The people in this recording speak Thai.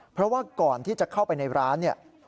เพราะว่าก่อนที่จะเข้าไปในร้านเนี่ย